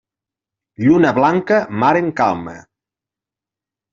Lluna blanca, mar en calma.